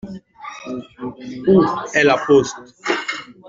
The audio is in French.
Où est la poste ?